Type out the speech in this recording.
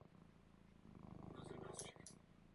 Mezi jeho oblíbené skupiny patřili Duran Duran a další skupiny.